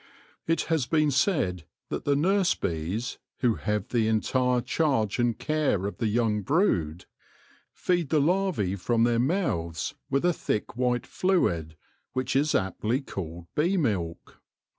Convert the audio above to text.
Jt has been said that the nurse bees, who have the A ROMANCE OF ANATOMY 115 entire charge and care of the young brood, feed the larvae from their mouths with a thick white fluid, which is aptly called bee milk.